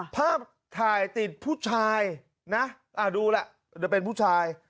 ภาพถ่ายติดผู้ชายน่ะอ่าดูล่ะเดี๋ยวเป็นผู้ชาย